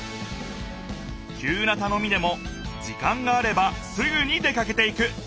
きゅうなたのみでも時間があればすぐに出かけていく。